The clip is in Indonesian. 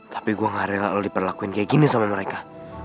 tapi gua gak rela lo diperlakuin kayak gini sama emangnya